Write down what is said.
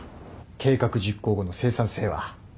計画実行後の生産性は。